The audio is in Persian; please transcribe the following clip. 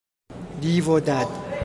دیو و دد